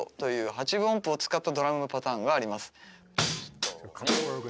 「８分音符を使ったドラムのパターンがあります」